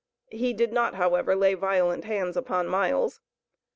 He did not, however, lay violent hands upon Miles.